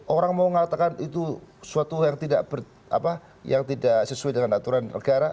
orang mau mengatakan itu suatu yang tidak sesuai dengan aturan negara